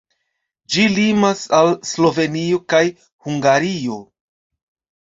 Ĝi limas al Slovenio kaj Hungario.